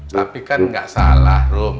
tapi kan gak salah rum